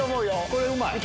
これうまい！